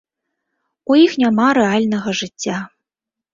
У іх няма рэальнага жыцця.